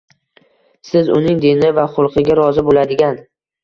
Siz uning dini va xulqiga rozi boʻladigan.